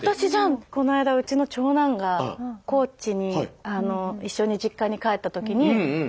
こないだうちの長男が高知にあの一緒に実家に帰った時に。